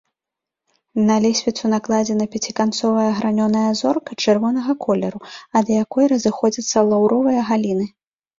На лесвіцу накладзена пяціканцовая гранёная зорка чырвонага колеру, ад якой разыходзяцца лаўровыя галіны.